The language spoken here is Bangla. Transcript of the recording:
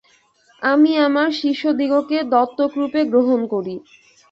আমি আমার শিষ্যদিগকে দত্তকরূপে গ্রহণ করি।